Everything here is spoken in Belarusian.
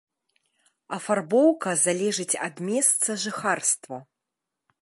Афарбоўка залежыць ад месца жыхарства.